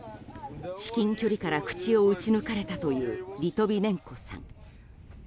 至近距離から口を撃ち抜かれたというリトビネンコさん。